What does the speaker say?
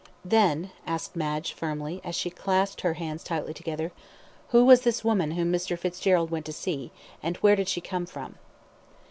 "Then," asked Madge, firmly, as she clasped her hands tightly together, "who was this woman whom Mr. Fitzgerald went to see, and where did she come from?"